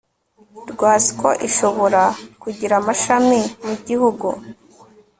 rwasco ishobora kugira amashami mu gihugu